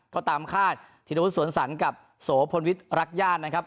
ก็ตามคาดธิรวุฒิสวนสันกับโสพลวิทย์รักญาตินะครับ